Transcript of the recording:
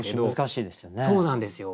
難しいですよね。